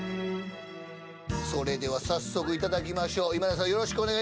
それでは早速いただきましょう。